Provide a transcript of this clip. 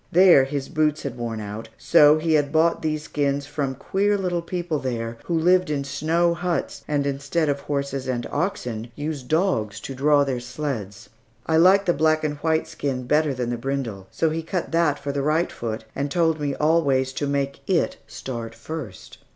There his boots had worn out. So he had bought these skins from queer little people there, who live in snow huts, and instead of horses or oxen, use dogs to draw their sleds. I liked the black and white skin better than the brindle, so he cut that for the right foot, and told me always to make it start first.